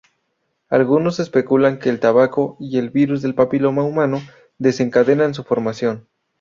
Algunos especulan que el tabaco y el virus del papiloma humano desencadenan su formación.